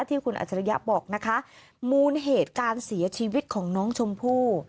ที่คุณอัจฉริยะบอกนะคะมูลเหตุการเสียชีวิตของน้องชมพู่